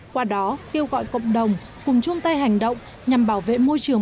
qua đó kêu gọi cộng đồng cùng chung tay hành động nhằm bảo vệ môi trường